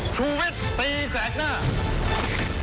ชูวิทย์ตีแสกหน้า